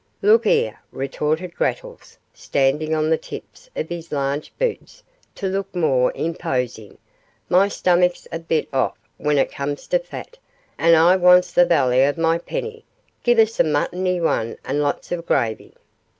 'Look 'ere,' retorted Grattles, standing on the tips of his large boots to look more imposing, 'my stumick's a bit orf when it comes to fat, and I wants the vally of my penny; give us a muttony one, with lots of gravy.